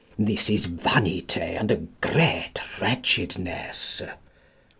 This is vanyte3, and a greet wretchidnesse.